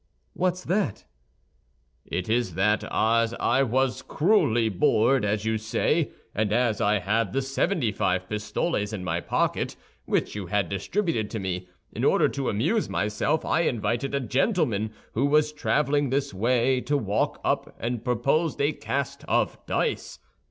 "What's that?" "It is that as I was cruelly bored, as you say, and as I had the seventy five pistoles in my pocket which you had distributed to me, in order to amuse myself I invited a gentleman who was traveling this way to walk up, and proposed a cast of dice.